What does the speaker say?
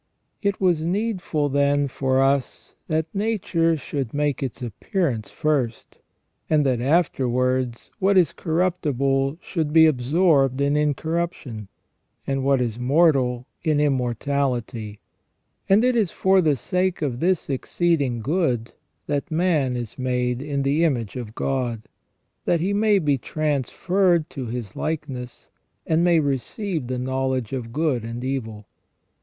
It was needful, then, for us that nature should make its appear ance first, and that afterwards what is corruptible should be absorbed in incorruption, and what is mortal in immortality ; and it is for the sake of this exceeding good that man is made in the image of God, that he may be transferred to His likeness, and may receive the knowledge of good and evil.